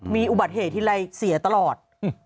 มีอุบัติเหตุทีไรเสียตลอด